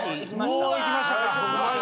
もういきましたか。